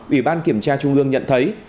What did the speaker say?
ủy ban kiểm tra trung ương nhận thấy